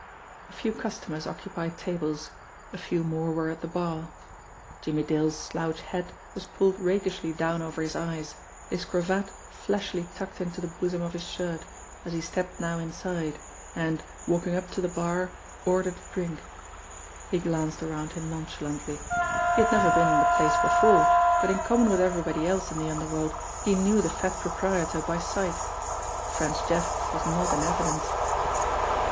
A few cus tomers occupied tables ; a few more were at the bar. Jimmie Dale's slouch hat was pulled rakishly down over his eyes, his cravat flashily tucked into the bosom of his shirt, as he stepped now inside, and, walking up to the bar, ordered a drink. He glanced around him nonchalantly. He had never been in the place before, but in common with everybody else in the underworld he knew the fat proprietor by sight. French Jeff was not in evidence.